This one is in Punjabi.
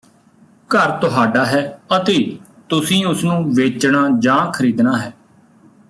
ਘਰ ਤੁਹਾਡਾ ਹੈ ਅਤੇ ਤੁਸੀਂ ਉਸਨੂੰ ਵੇਚਣਾ ਜਾਂ ਖਰੀਦਣਾ ਹੈ